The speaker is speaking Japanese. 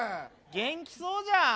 元気そうじゃん。